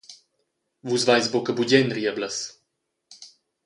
Vus veis buca bugen rieblas.